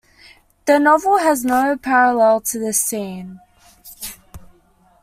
The novel has no parallel to this scene.